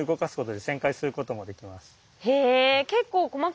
へえ。